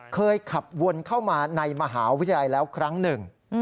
เคยขับวนเข้ามาในมหาวิทยาลัยแล้วครั้งหนึ่ง